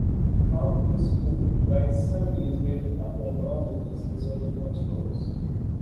Crown Prince Eun died seven years later after a long illness resulting from strokes.